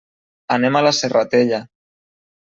Anem a la Serratella.